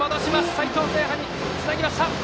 齊藤聖覇につなぎました。